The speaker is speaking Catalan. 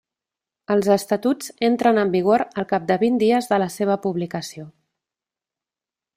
Els Estatuts entren en vigor al cap de vint dies de la seva publicació.